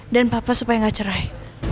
dan papa supaya gak cerai